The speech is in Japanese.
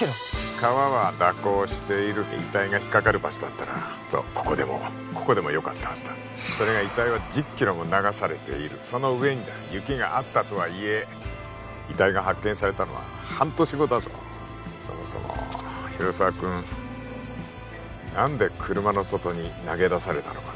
川は蛇行している遺体が引っかかる場所だったらここでもここでもよかったはずだそれが遺体は１０キロも流されているその上雪があったとはいえ遺体が発見されたのは半年後だぞそもそも広沢君何で車の外に投げ出されたのかな